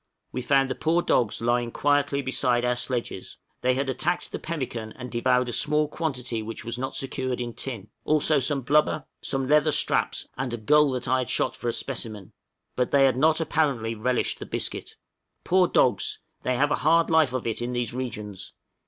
We found the poor dogs lying quietly beside our sledges; they had attacked the pemmican, and devoured a small quantity which was not secured in tin, also some blubber, some leather straps, and a gull that I had shot for a specimen; but they had not apparently relished the biscuit. Poor dogs! they have a hard life of it in these regions.